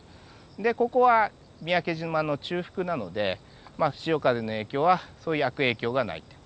でここは三宅島の中腹なので潮風の影響はそういう悪影響がないって事。